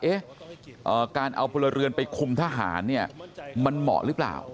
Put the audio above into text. การเอาพลเรือนไปคุมทหารเนี่ยมันเหมาะหรือเปล่า